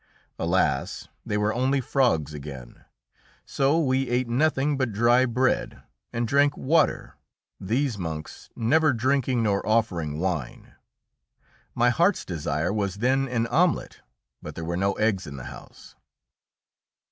Alas! they were only frogs again! So we ate nothing but dry bread, and drank water, these monks never drinking nor offering wine. My heart's desire was then an omelet but there were no eggs in the house.